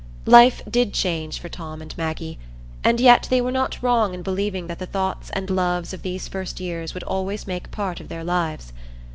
Life did change for Tom and Maggie; and yet they were not wrong in believing that the thoughts and loves of these first years would always make part of their lives.